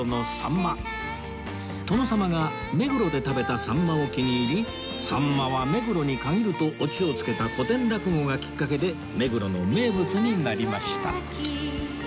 殿様が目黒で食べたさんまを気に入りさんまは目黒に限るとオチを付けた古典落語がきっかけで目黒の名物になりました